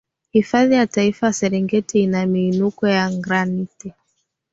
hifadhi ya taifa ya serengeti ina miinuko ya granite